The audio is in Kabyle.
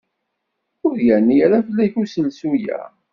Ur yerni ara fell-ak uselsu-a.